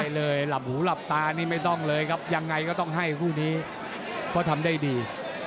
เลยหลับหูหลับตานี่ไม่ต้องเลยครับยังไงก็ต้องให้คู่นี้เพราะทำได้ดี